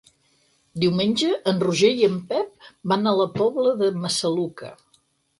Diumenge en Roger i en Pep van a la Pobla de Massaluca.